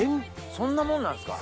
そんなもんなんです。